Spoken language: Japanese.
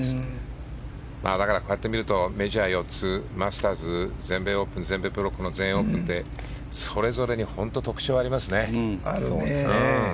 だからこうやって見るとメジャー４つマスターズ、全米オープン全米プロ、全英オープンって本当に特色ありますね。